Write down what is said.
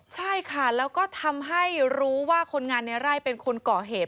ใช่ค่ะแล้วก็ทำให้รู้ว่าคนงานในไร่เป็นคนก่อเหตุ